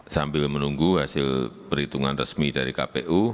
sambil menunggu hasil perhitungan resmi dari kpu